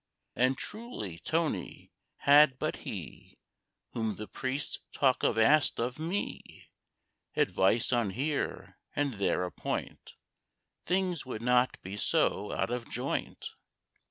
And truly, Tony, had but he Whom the priests talk of asked of me Advice on here and there a point, Things would not be so out of joint.